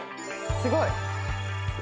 すごい！